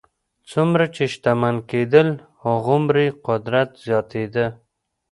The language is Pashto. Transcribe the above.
څومره چې شتمن کېدل هغومره یې قدرت زیاتېده.